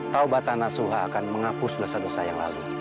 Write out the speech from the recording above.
taubatana suha akan menghapus dosa dosa yang lalu